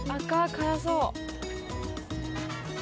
辛そう。